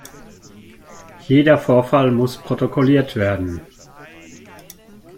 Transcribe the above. Jeder Vorfall muss protokolliert werden.